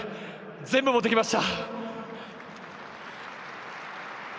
全部、持っていきました！